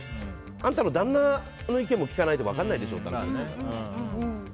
あなたの旦那の意見も聞かないと分からないでしょうから。